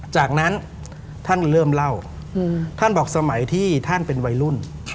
จากนั้นท่านเริ่มเล่าท่านบอกสมัยที่ท่านเป็นวัยรุ่น